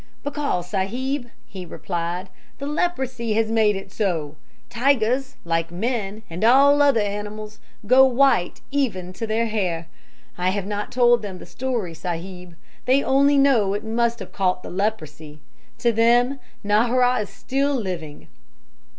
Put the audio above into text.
"'Because, sahib,' he replied, 'the leprosy has made it so! Tigers, like men, and all other animals, go white even to their hair. I have not told them the story, sahib; they only know it must have caught the leprosy. To them Nahra is still living.'